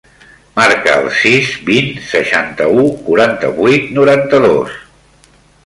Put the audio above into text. Marca el sis, vint, seixanta-u, quaranta-vuit, noranta-dos.